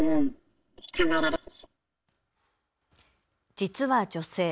実は女性。